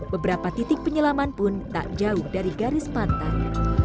beberapa titik penyelaman pun tak jauh dari garis pantai